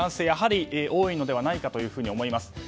やはり多いのではないかと思います。